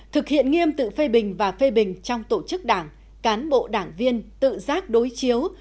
thực hiện nghiêm tự phê bình và phê bình trong tổ chức đảng cán bộ đảng viên tự giác đối chiếu